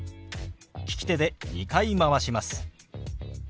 利き手で２回回します。